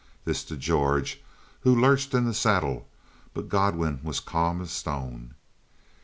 This to George, who lurched in the saddle; but Godwin was calm as stone.